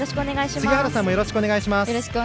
杉原さんもよろしくお願いします。